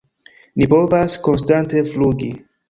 "Ni povas konstante flugi!"